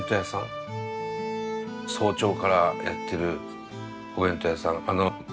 早朝からやってるお弁当屋さん。